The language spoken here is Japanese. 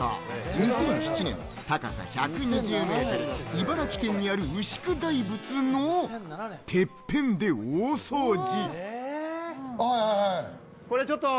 ２００７年、高さ１２０メートル、茨城県にある牛久大仏のてっぺんで大掃除。